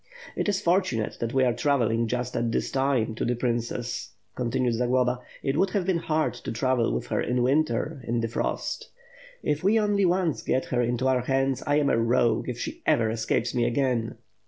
"It is fortunate that we are travelling just at this time to WITH FIRE AND SWORD, 645 the princess/' continued Zagloba, "it would have been hard to travel with her in winter, in the frost." "If we only once get her into our hands, I am a rogue if she ever escapes me again."